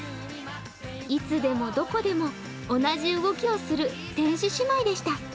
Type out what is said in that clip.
いつでもどこでも、同じ動きをする天使姉妹でした。